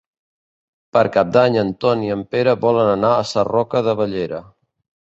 Per Cap d'Any en Ton i en Pere volen anar a Sarroca de Bellera.